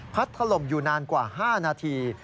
พัดขลมอยู่นานกว่า๕นาที